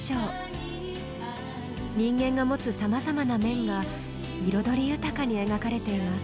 人間が持つさまざまな面が彩り豊かに描かれています。